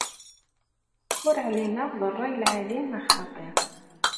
Ur ɛlimeɣ d rray n lɛali neɣ xaṭi.